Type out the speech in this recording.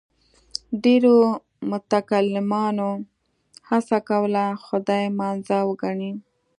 ډېرو متکلمانو هڅه کوله خدای منزه وګڼي.